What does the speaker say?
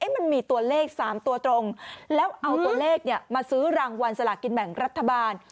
มันมีตัวเลข๓ตัวตรงแล้วเอาตัวเลขมาซื้อรางวัลสลากินแบ่งรัฐบาล